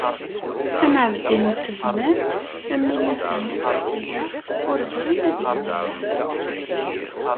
Am Ɛezdin n Tezmalt, am Milisa n At Ksila, ur bɣin ad gen aya.